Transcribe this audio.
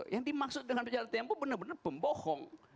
yang dimaksud dengan berbohong adalah benar benar pembohong